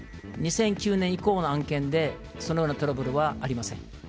２００９年以降の案件で、そのようなトラブルはありません。